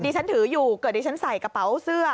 ฉันถืออยู่เกิดดิฉันใส่กระเป๋าเสื้อ